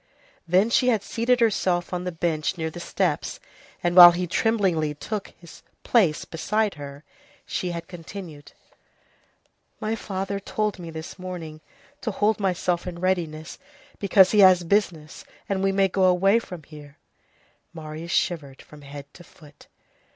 Then she had seated herself on the bench near the steps, and while he tremblingly took his place beside her, she had continued:— "My father told me this morning to hold myself in readiness, because he has business, and we may go away from here." Marius shivered from head to foot.